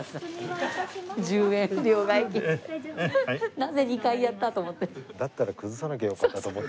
なぜ２回やった？と思って。